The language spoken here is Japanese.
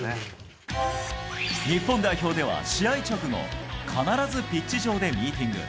日本代表では試合直後、必ずピッチ上でミーティング。